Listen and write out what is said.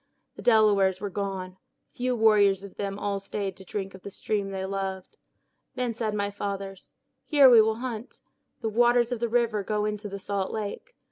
The Delawares were gone. Few warriors of them all stayed to drink of the stream they loved. Then said my fathers, 'Here will we hunt. The waters of the river go into the salt lake.